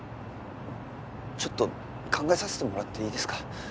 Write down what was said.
ちょっと考えさせてもらっていいですか？